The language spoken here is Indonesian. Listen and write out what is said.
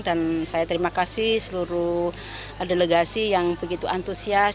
dan saya terima kasih seluruh delegasi yang begitu antusias